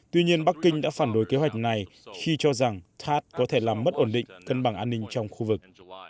tuy nhiên bắc kinh đã phản đối kế hoạch này khi cho rằng pass có thể làm mất ổn định cân bằng an ninh trong khu vực